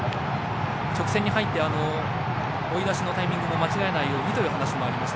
直線に入って、追い出しのタイミングも間違えないようにという話もありました。